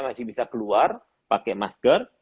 masih bisa keluar pakai masker